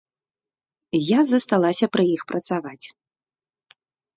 Я засталася пры іх працаваць.